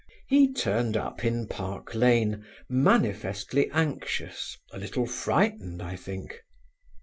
He turned up in Park Lane, manifestly anxious, a little frightened, I think.